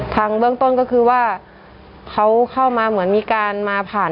เบื้องต้นก็คือว่าเขาเข้ามาเหมือนมีการมาผ่าน